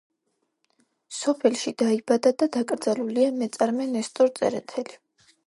სოფელში დაიბადა და დაკრძალულია მეწარმე ნესტორ წერეთელი.